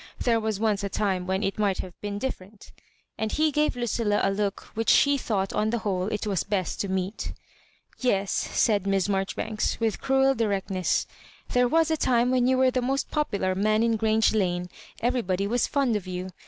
There was once a time when it might have been different" — and he gave Lucilla a look which she thought on the whole it was best to meet *'Yes," said Miss Marjoribanks, with cruel distinctness, " there was a time when you were the most popular man in Grange Lane— every body was fond of you.